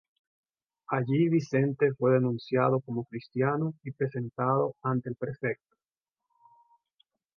Allí Vicente fue denunciado como cristiano y presentado ante el prefecto.